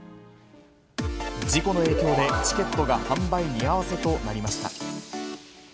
事故の影響で、チケットが販売見合わせとなりました。